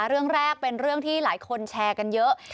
เรื่องแรกเป็นเรื่องที่หลายคนแชร์กันเยอะ